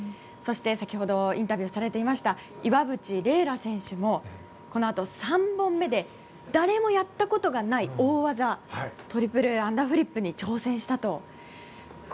そして、先ほどインタビューされていました岩渕麗楽選手もこのあと３本目で誰もやったことがない大技トリプルアンダーフリップに挑戦したと。